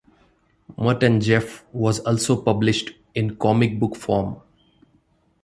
"Mutt and Jeff" was also published in comic book form.